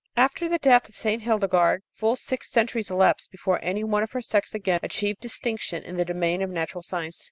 After the death of St. Hildegard, full six centuries elapsed before any one of her sex again achieved distinction in the domain of natural science.